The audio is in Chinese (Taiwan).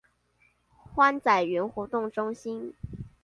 歡仔園活動中心